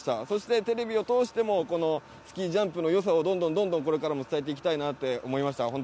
そして、テレビを通してもスキージャンプの良さをどんどんこれからも伝えていきたいなって思いました。